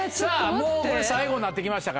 もうこれ最後になって来ました。